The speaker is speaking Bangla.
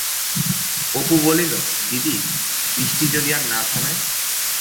অপু বলিল, দিদি, বিষ্টি যদি আর না থামে?